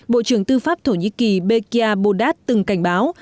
bộ trưởng tư pháp thổ nhĩ kỳ bekia budad từng cảnh báo